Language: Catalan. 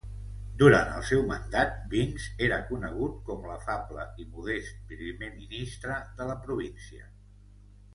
Durant el seu mandat, Binns era conegut com l'afable i modest primer ministre de la província.